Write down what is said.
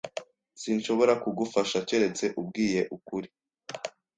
Sinshobora kugufasha keretse umbwiye ukuri.